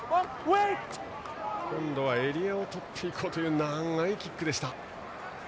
今度はエリアを取っていこうという長いキックでした。